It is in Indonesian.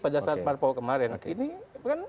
pada saat parpol kemarin